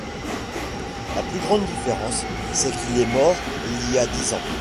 La plus grande différence, c'est qu'il y est mort il y a dix ans.